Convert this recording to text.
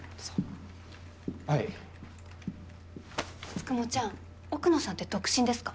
つくもちゃん奥野さんって独身ですか？